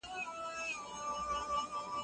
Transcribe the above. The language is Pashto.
د مقالي انشا پخپله سمه کړه.